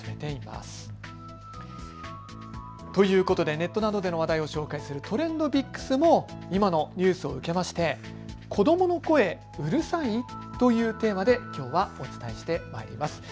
ネットなどでの話題を紹介するＴｒｅｎｄＰｉｃｋｓも今のニュースを受けまして子どもの声うるさい？というテーマできょうはお伝えしてまいります。